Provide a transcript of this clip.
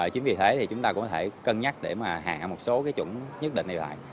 chính vì thế thì chúng ta cũng có thể cân nhắc để mà hạ một số cái chuẩn nhất định này lại